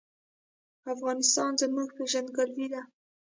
افغانستان زما پیژندګلوي ده